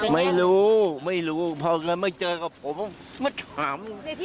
ไม่รู้พอไม่เจอกับผมไม่ถาม